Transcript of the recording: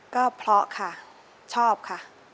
ก็เพราะค่ะชอบค่ะ